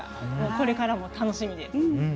これからも楽しみです。